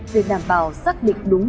để đảm bảo xác định đúng